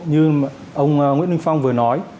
như ông nguyễn linh phong vừa nói